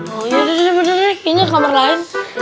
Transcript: oh iya bener nih ini kamar lain